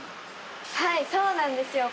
はいそうなんですよ